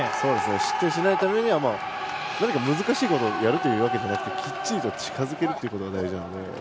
失点しないためには何か難しいことをやるわけじゃなくてきっちりと近づけることが大事なので。